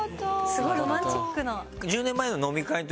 すごいロマンチックな。